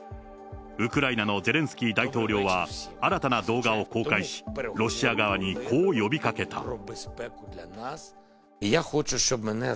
ウクライナのゼレンスキー大統領は新たな動画を公開し、ロシア側にこう呼びかけた。